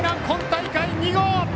今大会２号！